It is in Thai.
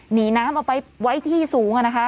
หนีน้ำเอาไปไว้ที่สูงค่ะนะคะ